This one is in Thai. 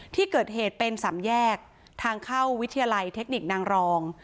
ที่เกิดเหตุเป็นสามแยกทางเข้าวิทยาลัยเทคนิคนางรอง